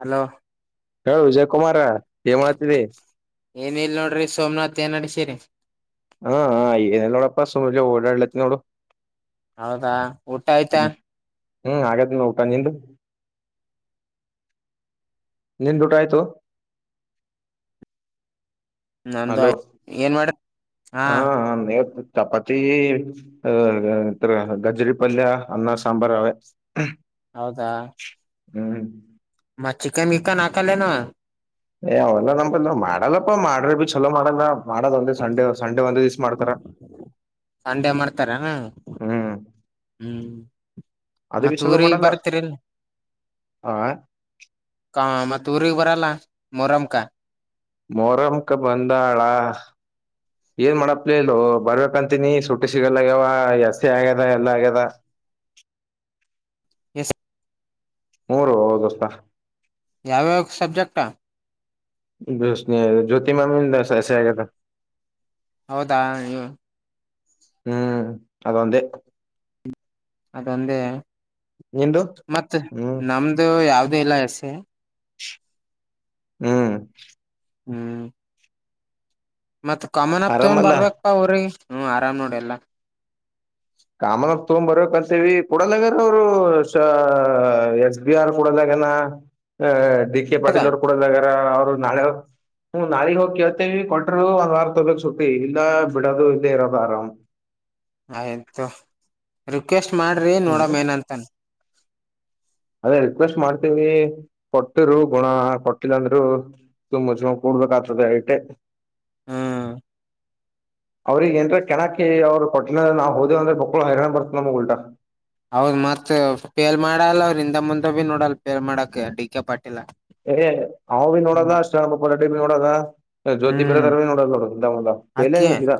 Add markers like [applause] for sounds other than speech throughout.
Hello ಹೇಳು ವಿಜಯ್ ಕುಮಾರ ಏನ್ ಮಾಡ್ತಇದ್ಯ್ ಏನ್ ಇಲ್ಲ ನೋಡ್ರಿ ಸೋಮನಾಥ್ ಎನ್ನಡ್ಸಿರಿ ಸರಿ. ಹಾ ಹಾ ಇದೇ ನೋಡಪ್ಪ ಸುಮ್ನೆ ಓಡಾಡ್ಲಕ್ ನೋಡೋ ಹೌದಾ ಊಟ ಆಯ್ತಾ? ಹ್ಮ್ ಹಾಗಾದ ಊಟ ನಿಂದು ನಿಂದ ಊಟ ಆಯ್ತು? ನಂದು ಹಲೋ ಆಯ್ತ ಏನ್ ಮಾಡ್ರ ಹಾ ಹಾ ಚಪಾತಿ ಆ ಗಜರಿ ಪಲ್ಯ ಅನ್ನ ಸಾಂಬಾರ ಅವೇ?? ಹೌದಾ ಹ್ಮ್ ಮ ಚಿಕನ್ ಗಿಕನ್ ಅಕ್ಲೇನು ಏ ಅವಲ್ಲ ನಪಲ್ ಮಾಡಲ್ಲಪ್ಪಾ ಮಾಡ್ರಿ ಬಿ ಚಲೋ ಮಾಡಲ್ಲ ಮಾಡದ ಒಂದೇ ಸಂಡೆ ಸಂಡೆ ಒಂದು ದಿವ್ಸ ಮಾಡ್ತಾರ ಸಂಡೆ ಮಾಡ್ತರೇನಾ ಹ್ಮ್ ಹ್ಮ್ ಅದು ಮತ್ ವಿಸಲ ಊರಿಗ್ ಮಾಡಲ್ಲ ಬರ್ತಿರಿಲ್ ಆ ಆ ಮತ್ತೆ ಊರಿಗ್ ಬರಲ್ಲ ಮೊಹರಂ ಮೊರಮಕ ಬಂದಾಳಾ ಏನ್ ಮಾಡಪ್ಲ ಇಲ್ ಬರ್ಬೇಕಂತ ಹತೀನಿ ಸುಟ್ಟು ಸಿಗಲ್ಲ ಆಗ್ಯಾವ ಜಾಸ್ತಿ ಆಗ್ಯದ ಎಲ್ಲ ಆಗ್ಯದ ಎ ಮೂರು ಹೌದುಸ ಯಾವ್ಯಾವ ಸಬ್ಜೆಕ್ಟಾ ದಸ್ನ ಜ್ಯೋತಿ ಮಾಾಮಿ ಸೆ ಆಗ ಹೌದಾ ನೀ ಹ್ಮ್ ಅದು ಒಂದೇ ಅದೊಂದೇ ನಿಂದು ಮತ್ತ ಹ್ಮ್ ನಮ್ದು ಯಾವ್ದ ಮಲಾಸ [unintelligible] ಹ್ಮ್ ಹ್ಮ ಮತ್ ಕಾಮನ್ ಅಪ್ ತಗೊಂಡ್ ಆರಾಮಲ್ಲ ಬರ್ಬೇಕಪ್ಪ ಅವ್ರಿ ಹ್ಮ ಆರಾಮ್ ನೋಡಿ ಎಲ್ಲ ಕಾಮ ತೊಂಬ ಬರ್ಬೇಕಕ್ಂತೀವಿ ಕುಡದಾಗಾರ ಅವರು ಎಸ್ ಬಿ ಆರ್ ಕುಡದಾಗನ ದಿ ಕೆ ಪಾೀ ಹೌದಾ ಅವರು ಕೂಡ ಜಗ ನಾಳೆ ಹ್ಮ ನಾಳಗ್ ಹೋಗಿ ಕೇಳ್ತೇವಿ ಕೊಟರು ಒಂದ್ ವಾರ ತೊಕ್ ಸುಟ್ಟಿ ಇಲ್ಲ ಬಿಡೋದು ಇಲ್ಲೇ ಇರೋದು ಆರಾಮ್ ಆಯ್ತು ರಿಕ್ವೆಸ್ಟ್ ಮಾಡಿ್ರರಿ ನೋಡ ಹ್ಮ್ ಮೇನಂತನ್ ಅದೇ ರಿಕ್ವೆಸ್ಟ್ ಮಾಡ್ತೀವಿ ಕೊಟ್ಟರು ಗುಣ ಕೊಟ್ಟಿಲ್ಲ ಅಂದ್ರು ತುಂಬ ಜಮ ಕೂಡ್ಬೇಕಾಗ್ತದೆ ಐತೆೆ ಹ್ಮ್ ಅವ್ರಗ ಏನ್ರ ಕೆಣಕಿ ಅವರು ಕೊಟ್ಟಣದ ನಾವವು ಹೋದೇವ ಅಂದ್ರೆ ಮಕ್ಕಳು ಹೈರಣಾಣ ಬರ್ತ ನಮಗ ಉಲ್ಟಾ ಹೌದ್ ಮತ್ತತ್ ಪಫೇಲ್ ಮಾಡಲ್ಲ ಅವ್ರಿಂದ ಮುಂದ ಭಿ ನೋಡಲ್ ಪಫೇಲ್ ಮಾಡಕ್ ಡಿಿಕ ಪಟ್ಟಿ ವುಿ ನೋಡೋದ ಅಷ್ಟ ನೋಡದಾ ಹ್ಮ್ ಪೆಲೆ ಅಕ್ಕಿ ಇದ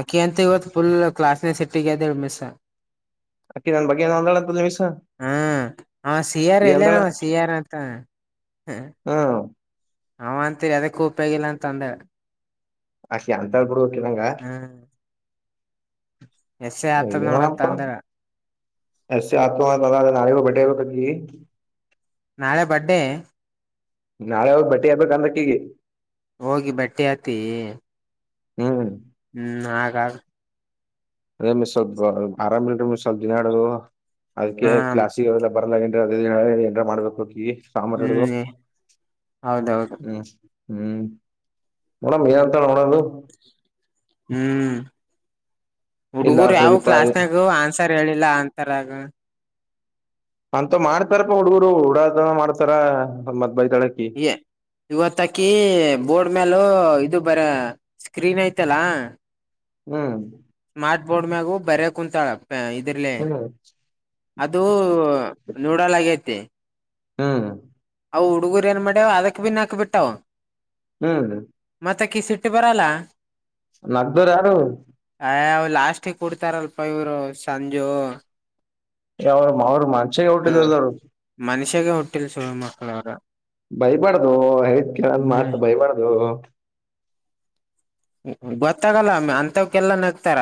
ಅಕ್ಕಿ ಅಂತ ಇವತ್ತು ಫುಲ್ ಕ್ಲಾಸ್ನ ಸೆಟ್ಟಗ ನಿರ್ಮಿಸ ಅಕಿ ನನ್ ಬಗ್ಗೆಏನ ಹೊಂದಳದ ನಿಮಿ್ಷ ಹ್ಮ್ ಅವ ಸಿ ಆರ್ ಈ ಅಂದಾಳ ಎಲ್ಲೇನವ ಸಿ ಆರ್ ಅಂತ ಹಾ ಅವ ಅಂತೀರಿ ಅದಕ್ಕ ಉಪ್ಯಗಿಲ್ಲ ಅಂತ ಅಂದ ಅಸ ಅಂತಳ್ ಕುಡ ಹಕ್ಕಿದಂಗ ಎಸ ಯಾತ್ರ ನೋಡಾನ್ ತಂದರ ಸೆ ಆತ ಗಾಡಿಗ ಬಟೆಗ ಕ ನಾಳೆ ಬಂಡ್ಡೆ ನಾಳೆ ಹ ಬಟ್ಟಿ ಹರ್ಬೇಕ ಅಂದ್ರಕ್ಕ ಈಗಿ ಹೋಗಿ ಬಟ್ಟೆ ಹತ್ತ, ಹ್ಮ್ ್ಮ ನಾಗ ಅದೇ ಮ ಸ್ವಲ್ಪ ಆರಾಮ್ ಮ್ ಸ್ವಲ್ಪ ದಿನಾಡರು ಹ ಅದಕ್ಕೆ ಕ್ಲಾಸಿಕ ಬರಲ್ಲ್ರ ಅದ ಎಏರ ಮಾಡ್ಬೇಕು ಹೋಗಿ ಹ್ಮ್ ಹೌದೌದು ಹ್ಮ್ ಹ್ಮ್ ಮಡಏಂತಳೋಡ ಹ್ಮ್ ಇಲ್ಲ ಹುಡುಗರು ಯಾವವು ಪ್ರದೀಪಾ ಕ್ಲಾಸ್ ನಾಗನ್ ಸರಿ ಹೇಳಿಲ್ಲಾ ಅಂತರಗ ಅಂತ ಮಾಡ್ತಾರಪ್ಪ ಹುಡುಗರು ಹುಡಾದ ಮಾಡ್ತಾರ. ಬೈತಾಳಕಿ ಇವತ್ತಕಿ ಬೋರ್ಡ್ ಮೇಲ ಇದು ಬರ ಸ್ಕ್ರೀನ್ ಐತಲ್ಲಾ ಹ್ಮ್ ಕ್ಟ್ ಬೋರ್ ಮ್ಯಾಗೂ ಬರರೆ ಕುಂತಾಳಪ್ ಇದರ್ಲೆ ಹ್ಮ್ ಅದುೂ ನೂಡಲ್ ಆಗೈತಿ ಹಾ ಅವವು ಹುಡುಗುರು ಏನ್ ಮಾಡ್ಯ್ ಅದಕ್ಕೆಕ್ ಬಿನ್ಾಕಕ್ ಬಿಟ್ಟಾವ ಹ್ಮ್ ಮತ ಕ ಸಿಟ್ಟಿ ಬರಲ್ಲ ನಗದರ ಯಾರು ಅ ಅವ್ ಲಾಸ್ಟಿಗೆ ಕುಡ್ತಾರಲ್ಪ ಇವ್ರು ಸಂಜು ಯರು ಅವರು ಮಾಡ ಅೆ ಟರು ಮನುಷ್ಯಾಗ ಹುಟ್ಟಿಲ್ ಸುಳ್ ಮಕ್ಳ ಅವ್ರ ಬೈಬಾಡ್ದು ಹೇ ಕೇಳ ಹ್ಮ್ ಮಾತ್ ಬೈಬಾರಡ್ದು ಗೊತ್ತಾಗಲ್ಲ ಅಂತವಕ್ಕೆಲ್ಲಾ ನಗ್ತಾರ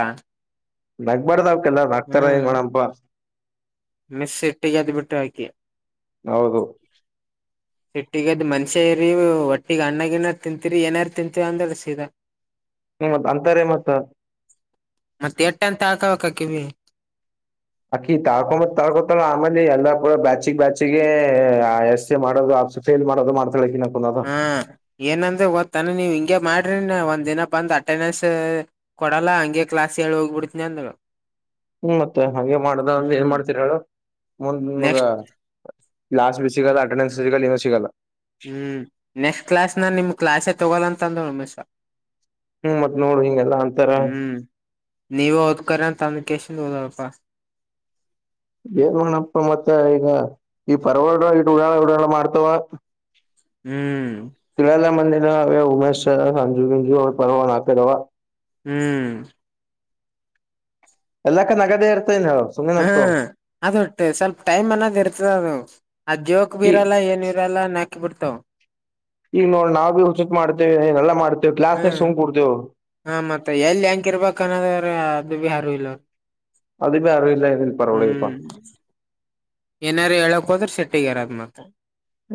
ನಕ್ಬರ್ದ ಎಲ್ಲ ಹಾತಾರ ಹೆಂಗ ಮಾಡಣಪ್ಪಾ ಮೆಸ ಇಟ್ಟ ಜತಿ ಬಿಟ್ಟು ಹಾಕಿಯ ಹೌದು ಸಿಟ್ಟಿಗದ್ ಮನ್ಷ್ಯ ಇರಿ ಒಟ್ಟಿಗ ಅಣ್ಣಗನಾರ ತಿಂತೀರಿ ಏನಾರು ತಿಂತೀರ ಅಂದಸದ ಹ್ಮ ಮತ್ ಅಂತಾರೆ ಮತ್ತ ಮತ್ತೆ ಎಟ್ಟ ಅಂತ ಹಾಕವಕ್ ಹಕಿವಿ ಅಕ್ಕಿ ತಾಕೊಂಬತ್ ತಾಕೋತಳ ಆಮೇಲೆ ಎಲ್ಲಾ ಕೂಡ ಬ್ಯಾಚಿಗೆಗ್ ಬ್ಯಾಚಿಗೆ ಆ ಎಸ್ ಎ ಮಾಡೋದು ಆ ಫೇಲ್ ಮಾಡೋದು ಮಾಡ್ತಾಳಕಿನ ಹಾ ಏನಂದ್ರೆ ಗೊದ್ತಾನೆ ನೀವ್ ಹ ಹಂಗೆ ಮಾಡ್ರಿ ನ ಒಂದ ದಿನ ಬಂದ ಅಟೆಂಡೆನ್ಸ್ ಕೊಡಲ್ಲ ಹಂಗೆ ಕ್ಲಾಸ್ ಿ ಹೋಗ್ಬಿಡ್ತನಿ ಅಂದಳ ಹ್ಮ ಮತ್ತೆ ಹಾಗೆ ಮಾಡ ಏನ್ ಮಾಡ್ತರ ಹೇಳ ಮುಂದ್ಮಗ ನೆಕ್ಸ್ಟ್ ಲ್ಲಾಸ್ ಬ ಸಿಗ ಅಟೆಂಡನ್ಸ್ ಗಲ್ಲ ಹ್ಮ್ ನೆಕ್ಸ್ಟ್ ಕ್ಲಾಸ್ ನ ನಿಮ್ ಕ್ಲಾಾಸೆ ತಗೋಲ್ಲ ಅಂತಂದ್ರುಮ್ ಹ್ಮ್ ಮತ್ತ್ ನೋಡಿ ಹಿಂಗೆಲ್ಲಾ ಅಂತರ ನೀವ ಹದಕರ ಅಂತಮ ಕೆೇಶನ್ ಓದಳಪ್ಪಾ ಏನ್ ಮಣಪ್ಪ ಮತ್ತ ಈಗ ಈ ಪರ್ವಾಡ ಇ ಉಡಾಳ ಉಡಾಳ ಮಾಡ್ತವ ಹ್ಮ ತುಳಲ್ಲ ಮನೆೆ ಉಮೇಶ್ ಸಂಜುಗಿಂಜು ಅವರಪವ ನಾಲ್ಕು ಅದಾವ ಹ್ಮ ಎಲ್ಲಕ್ಕ ನಗದೇರ್ ಹ್ಮ ಅದೊಟ್ಟು ಸ್ವಲ್ಪ ಟೈಮ್ ಅನ್ನೋದ್ ಇರ್ತದ ಅದು ಅದ್ ಜೋಕ್ ಬಿ ಈ ಇರಲ್ಲ ಏನ ಇರಲ್ಲ ನೆ ಬಿಡುವ ಈಗ ನೋಡ್ ನಾವು ಬಿ ಉಚಿತ್ ಮಾಡ್ತೇವೆ ಏನೆಲ್ಲಾ ಮಾಡ್ತೇವಿ ಕ್ಲಾಸ್ನಾಗ ಹ್ಮ್ ಸುಮ್ ಕೂಡ್ತೇವು ಹ ಮತ್ತೆ ಎಲ್ಲಿ ಹೆಂಕ ಇರ್ಬೇಕನ್ನದ [unintelligible] ದುವಿಹಾರ ಇಲ್ಲ ಅದು ಬಿ ಯಾರು ಇಲ್ಲ ಏನಿಲ್ಲ ಪರವಳಿಗಪ್ಪಾ ಹ್ಮ ಏನಾರ ಎಳಕೋದರ ಸಿಟ್ ಗೆರದ ಮತ್ತೆ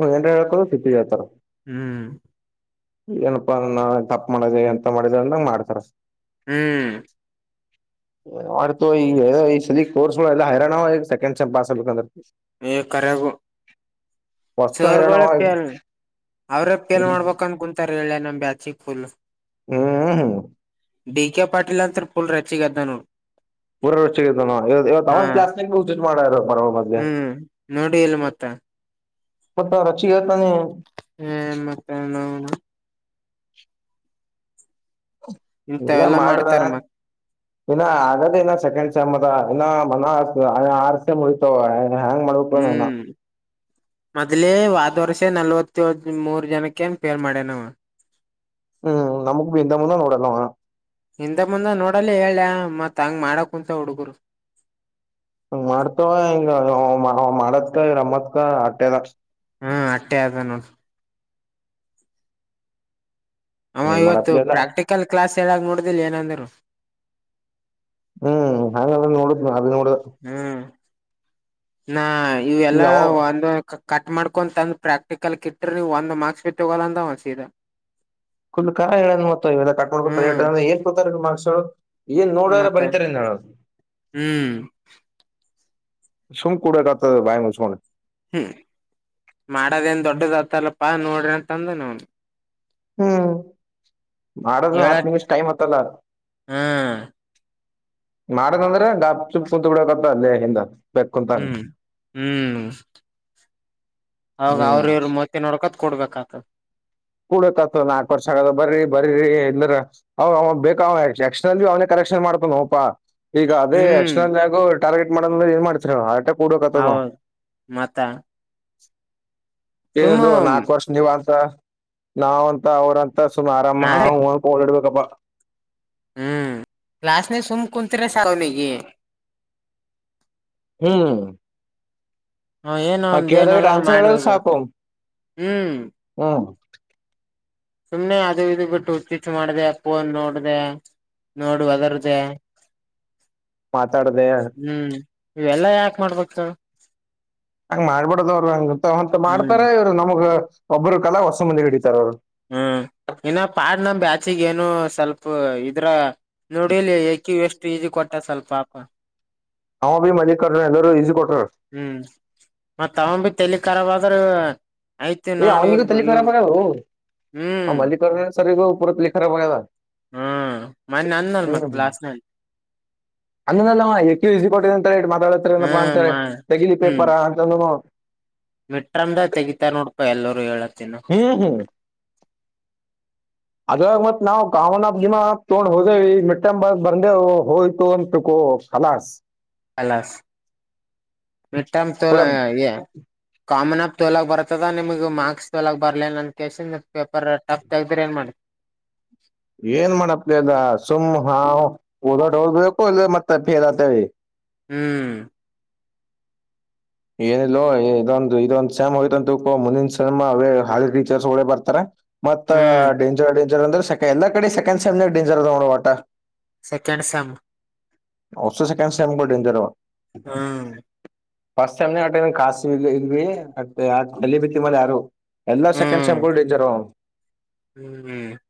ಏನರ ಹೇಳಕ್ಕೋದರ್ ಸಿಟ್ಟಿಗೆಳ್ತಾರ ಹ್ಮ್ ಏನಪ್ಪಾ ಅ ನಾವ ತಪ್ಪ ಮಾಡಿದೆ ಎಂತ ಮಾಡಿದಂದ್ರ ಮಾಡ್ತಾರ ಹ್ಮ ಮಾಡ್ತು ಈಗ ಸಲಿ ಕೋರ್ಸ್ಗಳು ಎಲ್ಲ ಹೈರಾಣ ಸೆಕೆಂಡ್ ಪಾಸ್ ಆಗ್ಬೇಕಂದ್ರ ಏ ಕರಗೂ ವಸ್ತು ಸರ್ಗೋಳ ಹೈರಾಣವ ಪೆಲ ಅವ್ರ ಪೇಲ್ ಹ್ಮ್ ಮಾಡ್ಬೇಕಕ ಅನಕಂದ ಕುಂತಾರ ್ರಲ ನಮ್ಮ ಬ್ಯಾಚಿಗ ಫುಲ್ ಹ್ಮ್್ಮ ಹ್ಮ ಡಿಕೆೆ ಪಾಟೀಲ ಅಂತರ ಪುಲ್ ರಚ್ಚಿಗೆದ್ದಾನ ಪುರ ರೊಚ್ಚಿಗೆದ್ದನ [unintelligible] ಇವತ್ತು ಅವನ ಕ್ಲಾಸನ್ಯಾಗ ಮಾಡಾರು ಹ್ಮ್ ನೋಡಿ ಇಲ್ಲ ಮತ್ತ ಮತ್ತ ರೊಚ್ಚಿಗೆ ಹೇಳ್ತಾನೆ [inaudible] ಏ ಮತ್ತ ನೋಡ್ ಎಲ್ಲಾ ಇಂಥವೆಲ್ಲಾ ಮಾಡ್ರ ಮಾಡ್ತಾರ ಮತ್ ಇನ್ನು ಅಗದೇ ಇಲ್ಲ ಸೆಕೆಂಡ್ ಸೆಮ್ ಅದ ಇನಾ ಮನಾ ಆರ್ ಸೆಮ್ ಉಳಿತಾವ ಹ್ಯಾಂಗ್ ಮಾಡ್ಬೇಕು ಏನೋ ಹ್ಮ ಮೊದ್ಲೇ ವಾದ ವರ್ಷ ಮತ್ತೆ ನಲ್ವತ್ತೆಳು ಮೂರ್ ಜನಕ್ಕ ಏನ್ ಪೇಲ್ ಮಾಡೇನವ ಹ್ಮ ನಮಗ್ ಬೇಕ್ ಮುಂದಾನ ನೋಡಲ್ಲವ ಹಿಂದ ಮುಂದ ನೋಡಲ್ಲ ಹೇಳ್ಯ ಮತ್ ಹಂಗ್ ಮಾಡಕ್ಕುಂತವ ಹುಡುಗರು ಹಂಗ ಮಾಡ್ತವ ಹಿಂಗ ಅವ ಮಾಡದಕ ಇವರಂಬದಕ ಆಟ್ಟೆದ ಹ್ಮ ಅಟ್ಟೆ ಆದ ನೋಡ ಅವ ಏನ್ ಇವತ್ತು ಮಾಡತ್ಲಿಲ್ಲ ಪ್ರಾಕ್ಟಿಕಲ್ ಕ್ಲಾಸ್ ಹೇಳಾಗ ನೋಡುದಿಲ್ಲ ಏನಂದ್ರು ಹ್ಮ ಹಂಗಾದ್ರ ನೋಡುತನು ಅಲ್ಲಿ ಹ್ಮ ನಾ ಇವೆಲ್ಲಾ ಯಾವ ಒಂದು ಕಟ್ ಮಾಡ್ಕೊಂಡು ತಂದು ಪ್ರಾಕ್ಟಿಕಲ್ ಕ ಇಟ್ಟ್ರ ನೀವು ಒಂದು ಮಾರ್ಕ್ಸ್ ಸೈತ ತಗೋಳಲ್ಲ ಅವ ಸೀದ. [unintelligible] ಅರ್ಥ ಹ್ಮ್ ಆಗಲಿಲ್ಲ ಸೊ ಏನ್ ನೋಡೋರ ಮತ್ತ ಬರಿತಾರೆ ಏನ್ ಹೇಳು ಹ್ಮ್ ಸುಮ್ನೆ ಕೊಡಕ್ ಆಗ್ತದಿಲ್ಲ ಬಾಯಿ ಮುಚ್ಚ್ ಕೊಂಡು. ಹ್ಮ್ ಮಾಡದ ಏನ್ ದೊಡ್ಡದ್ ಆತ್ತಲ್ಲಪ್ಪಾ ನೋಡ್ರಿ ಅಂತ ಅಂದ ನ್ನಾ. ಹ್ಮ್ ಮಾಡದು ಹತ್ತು ಹೇಳಟ್ ನಿಮಿಷ ಟೈಮ್ ಹತಲ್ಲಾ. ಹಾ ಮಾಡದಂದ್ರೆ ಗಪ್ ಚುಪ್ ಕುೂತ್ಬಿಡಕತ್ತ ಅಲ್ಲೇ ಹಿಂದ. ಬೆಕ್ ಕುಂತಾನ ಹ್ಮ್ ಹ್ಮ್ ಅವಾಗ ಹ್ಮ್ ಅವ್ರ ಇವರು ಮುತ್ತಿ ನೋಡ್ಕೋತ್. ಕೊಡ್ಬೇಕತ್ ದ್ ಬರ ಎಲ್ಲ ಅವ ಅವ ಬೇಕ ಅವ ಎಕ್ಸ್ಟರ್ನಲ್ ಅವನೇ ಕರೆಕ್ಷನ್ ಮಾಡ್ತಾನೋಪಾ. ಈಗ ಅದೇ ಹ್ಮ್ ಎಕ್ಸ್ಟ್ರಾರ್ನಲ್ ನಾಗು. ಟಾರ್ಗೆಟ್ ಮಾಡಿಲ್ಲದೆ ಏನ್ ಮಾಡ್ತೀರಿ ಹೇಳು ಹೌದ್ ಮತ್ತ ಸುಮ್ಮ ಏನದು ನಾಲ್ಕು ವರ್ಷ ನೀವ್ ಅಂತಾ ನಾವಂತ್ ಅವ್ರಂತ್ ಸುಮ್ಮ ಆರಾಮ ಅವ ಬೋರ್ಡ್ ಹೊಡಿಬೇಕ್ ಗಬ ಹ್ಮ್ ಕ್ಲಾಸ್ ನಾಗ್ ಸುಮ್ ಕುಂತರ ಸಾಕ್ ಅವನಿಗೆ ಹ್ಮ್ ಹ ಏನ ಆ ಒಂದ ಕೇಳ್ದಾಗ ಏನರ ಒಂದ್ ಆನ್ಸರ್ ಮಾಡಿ ಹೇಳಿದ್ರೆ ಹೋಗ್ಬಿಡ್ತ ಸಾಕು ಹ್ಮ್ ಹ್ಮ್ ಸುಮ್ನೆ ಅದು ಇದು ಬಿಟ್ಟು ಹುಚ್ಚುಚ್ಚು ಮಾಡಿದೆ ಫೊನ್ ನೋಡಿದೆ. ನೋಡುವ ಅದರ್ರ್ದೇ ಮಾತಾಡದೆ ಹ್ಮ್ ಇವೆಲ್ಲಾ ಯಾಕ ಮಾಡ್ಬೇಕಕ್ತ ಹೇಳು ಹಂಗ್ ಮಾಡ್ಬಿಡದವ್ರ ಹಂಗಂತ ಹ್ಮ್ ಮಾಡ್ತಾರ ಇವ್ರು ನಮಗ್ ಒಬ್ಬರು. ಕಲ ಹೊಸ ಮುಂದಿ ಹಿಡಿತಾರ ಅವರು ಹ್ಮ್ ಇ ಇದ್ರ ನೋಡಿಲಿ ಯಏಕೆ ಎಷ್ಟು ೀಜ ಕೊಟ್ಟ ಸ್ವಲ್ಪಾಪ ಅವರ ಹಾ ಬಿ ಮಲ್ಲಿಕಾರ್ಜುನ ಎಲ್ಲರು ಈಸಿ ಕೊಡ್ರ್ ಹ್ಮ್ ಮತ್ತ ಅವ ಬಿ ತೆಲಿಕರವಾಗ [unintelligible] ಅವ [unintelligible] ಎಏ ಅನಿಗ ತಲ್ಲಿ ಕರಪರ ಹ ಹ್ಮ್ ಅಮಲ್ಲಿ ಕರ ಸರಿಗ [unintelligible] ಪತ್ಲ್ಲಿಖರ ಬ [unintelligible] ಹ್ಮ್ ಮನ್ನೆ ಅಂದ್ನಲ್ ಮತ್ ಲಾಸ್ಟ್ ನಲ್ಲಿ ಅಂದನಲ್ಲ ಯಕಿ ಕೊಟ್ಟಿದ ಅಂತ ಮಾತಾಡತಏನಪ್ಪಾ ಹ್ಮ್ ಅಂತ ಮಾ ತೆಗಲಿ ಹ್ಮ್ ಪೇಪರ್ ಅಂತ [unintelligible] ಮಿಟ್ರಮ್ದ ತಗೀಿತಾ ನೋಡ್ಪ ಎಲ್ಲರೂ ಹೇಳತ್ತ ಹ್ಮ್ ಹ್ಮ್ [unintelligible] ಅದಾಗ ಮತ್ ನಾವವು ಕಾಮನಬ್ ಜಿಮಾ ತಗೊಂಡ್ ಹೋದೇವಿ ಮಿಟ್ಟ ಬಂದೆವು ಹೋಯ್ತು ಅಂತಕೋ ಕಲಾಸ್ ಅಲಸ್ ಎಟಾಮ ತೋಲ ಪೂರ ಆ ಕಾಮನ [unintelligible] ತೊಲಗ ಬರ್ತದ ನಿಮಗ ಮಾರ್ಕ್ಸ್ ತೊಲಗ ಬರ್ಲ ನನ್ ಕೇಳ್ಸ ಪೇಪರ್ ಟಫ್ ತಗ್ದ್ರ ಏನ್ ಮಾಡ [unintelligible] ಏನ್ ಮಾಡಪ್ಲಿ ಅದ ಸುಮ್ ಹಾ ರಡ್ ಹೋಗಬೇಕು ಅಲ್ ಮತ್ತ ಫೇರ್ ಆತೇವಿ [unintelligible] ಹ್ಮ್ [unintelligible] ಏನಿಲ್ಲೋ ಇದೊಂದ ಇದೊಂದು ಸಮ್ ಹೋಗ್ತು ಅಂತ ತ ಮುಂದಿನ ಸಮ ಅವೇ ಹಾಲಿ ಟೀಚರ್ಸ್ ಡೆೇ ಬರ್ತಾರೆ [unintelligible] ಹ್ಮ್ ಮತ್ತತ್ ಡೆಂಜರ್ ಅಡ್ವೆಂಚರ್ ಅಂದ್ರೆ [unintelligible] ಎಲ್ಲ ಕಡೆ ಸೆಕೆಂಡ್ ಸೆಮ್ಮ ಡೆಂಜರ್ ಸೆಕೆಂಡ್ ಸಮ್ ಸೆಕ್ ೈಮ ಡೇಂಜರ್ [unintelligible] ಹ್ಮ್ ಫಸ್ಟ್ ಸೆಮ್ ಕಾಸ ಇದ್ವಿ ಬಿತ್ತ ಮ ಯಾರು ಎಲ್ಲ ಸೆಕೆಂಡ್ ಸೆಮ್ರು [unintelligible] ಹ್ಮ್ ಹ್ಮ್ [unintelligible]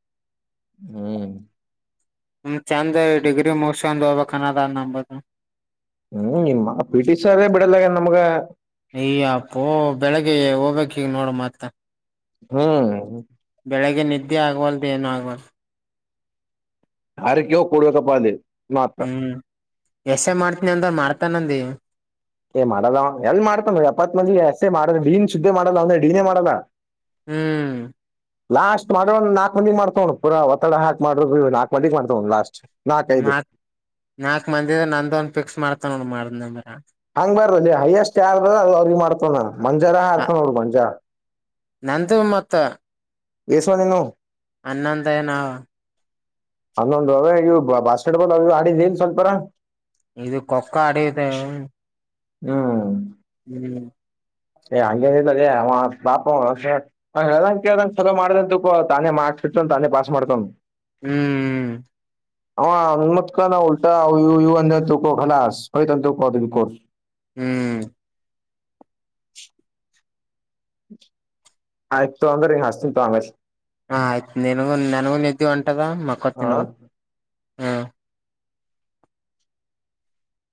ಹ್ಮ್ [unintelligible] ಚೆಂದ ಡಿಗ್ರಿ ಮೋಸಂದ ಹೋಗ್ಬೇಕನ್ನದ ನಂಬದು ಹ್ಮ್ ನಿಮ್ಮ ಪಿ ಟಿ ಸ ಸರ್ೇ ಬಿಡಲ್ಲಾಗ ನಮ್ಗ ಅಯ ಅಪ್ಪ ಬೆಳಗ್ಗೆ ಹೋಗ್ಬೇಕಿಗ್ ನೋಡ ಮತ್ತ ಹಾ [unintelligible] ಬೆಳಗ್ಗೆ ನಿದ್ದೆ ಆಗವಲ್ದು ಏನು ಆಗವಲ್ದ ಆರಕೆಯೋ ಕೊಡಬೇಕಪ್ಪ ಅೆ [unintelligible] ಹ್ಮ್ ಎಷ್ಟೇ [unintelligible] ಮಾಡ್ತೀನಿ ಅಂದರು ಮಾಡ್ತಾನಂದ ಹ [unintelligible] ಏ ಮಾಡಲ್ಲ ಎಲ್ ಮಾಡ್ತಾನ ಎಪ್ಪತ್ ಮಂದಿಗೆ ಅಷ್ಟೇ [unintelligible] ಮಾಡ ಡನ್ ಶುದ್ದೆ ಮಾಡಲ್ಲ ಅಂದ್ರೆ ಡೀನೇ ಮಾಡಲ್ಲ ಹ್ಮ್ ಲಾಸ್ಟ್ ಮಾಡಿದ್ ಒ್ ನಾಲ್ಕ್ ಮಂದಿಗ್ ಮಾಡತನಾ ಪುರ ಒತ್ತಡ ಹಾಕ್ ಮಾಡ್ರರು ನಾಲ್ಕ್ ಮಂದಿಗ್ ಮಾಡ್ತನ ನೋಡು ಲಾಸ್ಟ್ ನಾಕೈದು ನಾಕ್ ನಾಕ ಮಂದಿದ ನಂದ ಒಂದ ಫಿಕ್ಸ್ ಮಾಡ್ತಾನ ನೋಡು ಮಾಡಿದ್ರ [unintelligible] [unintelligible] ಮಂಜಾರಾ [unintelligible] ಮಂಜಾರ ನಂದು ಮೊತ್ತ ಎಸವ ನಿನುೋ, ಅನ್ನೊಂದು ಏನ ಅವ ಹನ್ನೊಂದು ಅವ ಬಾಸ್ಕೆಟ್ಬಾಲ್ ಅವ ಆಡಿದ್ದ ಇನ್ ಸ್ವಲ್ಪರ ಇದು ಕೊಕ್ಕೊ ಆಡಿದ್ದೆ, ಹ್ಮ್ [unintelligible] ಹ್ಮ್ [inaudible] ಏ ಹಂಗೇನಿಲ್ಲ ಅದ ಅವ ಪಾಪ ಹೇಳ್ದಂ ಕೇಳ್ದಂ ಚಲ ಮಾಡ್ದಂತಪ್ಪ ತಾನೇ ಮಾರ್ಕ್ಸ್ ಬಿಟ್ತ ತಾನೇ ಪಾಸ್ ಮಾಡ್ತನ್. ಹ್ಮ್್ಮ ಹತ್ಕ ಉಲ್ಟಾ ಇ ಅಂದ ತಕೋಯ್ತ ತಕೋೋ. ಹ್ಮ್ [inaudible] ಆಯ್ಕ್ತ ಅಂಗ್ರ ಹಾಸತಿ ಅಂಗ ಹ ಆಯ್ತು ನನ್ಗೂ ನನ್ನಗೂ ನಿ್ದೀ ಹೊಂಟದ ಮಕ್ಕೊ ತಿ ಹಾ ನೋದು, ಹ್ಮ